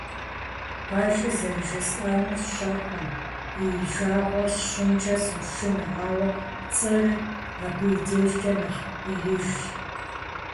Пэжыр зэрыжесӏэнур сщӀэркъым, и жагъуэ сщӀынкӀэ сошынэ, ауэ пцӀыр абы и дежкӏэ нэхъ Ӏеижщ.